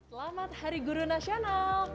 selamat hari guru nasional